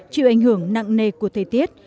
chịu ảnh hưởng nặng nề của thời tiết